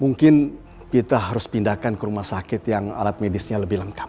mungkin kita harus pindahkan ke rumah sakit yang alat medisnya lebih lengkap